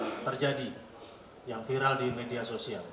yang terjadi yang viral di media sosial